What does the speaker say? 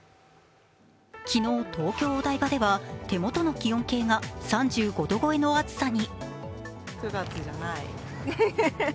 昨日、東京・お台場では手元の気温計が３５度超えの暑さに。